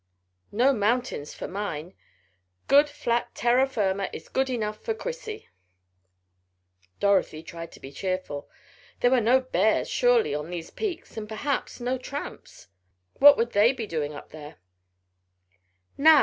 No mountains for mine. Good flat terra firma is good enough for Chrissy." Dorothy tried to be cheerful there were no bears surely on these peaks, and perhaps no tramps what would they be doing up there? "Now!"